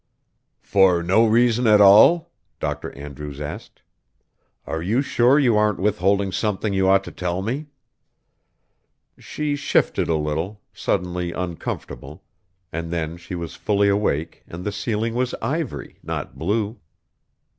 "For no reason at all?" Dr. Andrews asked. "Are you sure you aren't withholding something you ought to tell me?" She shifted a little, suddenly uncomfortable ... and then she was fully awake and the ceiling was ivory, not blue.